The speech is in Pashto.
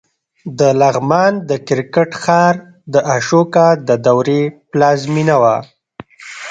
د لغمان د کرکټ ښار د اشوکا د دورې پلازمېنه وه